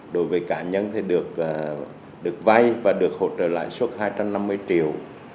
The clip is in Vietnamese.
đối với cá nhân thì được vay và được hỗ trợ lãi suất hai trăm năm mươi triệu